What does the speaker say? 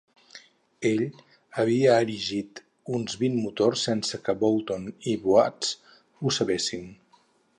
Ell havia erigit uns vint motors sense que Boulton i Watts ho sabessin.